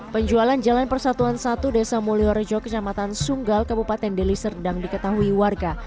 penjualan jalan persatuan satu desa mulyorejo kecamatan sunggal kabupaten deli serdang diketahui warga